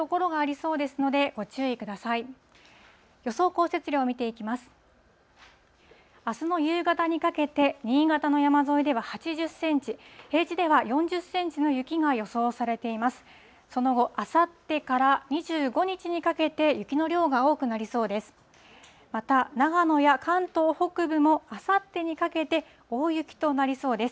その後、あさってから２５日にかけて雪の量が多くなりそうです。